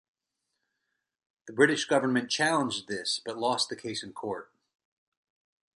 The British government challenged this but lost the case in court.